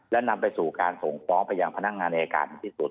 และนำไปสู่การส่งฟ้องไปยังพนักงานอายการที่สุด